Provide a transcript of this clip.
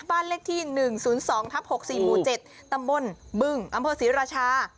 บ้านเลขที่๑๐๒๖๔๕๗ตำบลเบิ้นอำเภอศรีรัชา